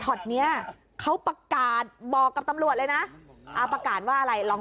ชอตเนี่ยเขาประกาศบอกกับตำรวจเลยนะ